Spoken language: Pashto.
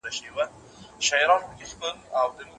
ښوونځي پرون په ارامه فضا کې وو.